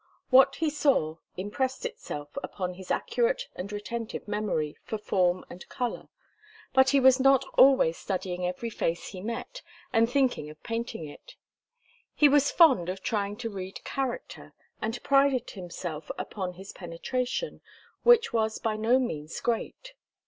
What he saw impressed itself upon his accurate and retentive memory for form and colour, but he was not always studying every face he met, and thinking of painting it. He was fond of trying to read character, and prided himself upon his penetration, which was by no means great.